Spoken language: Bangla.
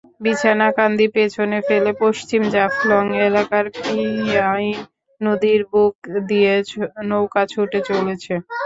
বিছনাকান্দি পেছনে ফেলে পশ্চিম জাফলং এলাকার পিয়াইন নদীর বুক দিয়ে নৌকা ছুটে চলেছে।